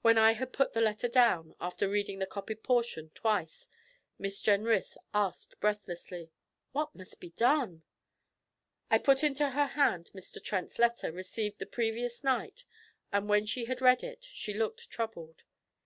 When I had put the letter down, after reading the copied portion twice, Miss Jenrys asked breathlessly: 'What must be done?' I put into her hand Mr. Trent's letter, received the previous night, and when she had read it, she looked troubled.